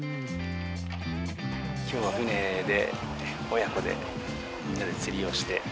きょうは船で、親子で、みんなで釣りをして。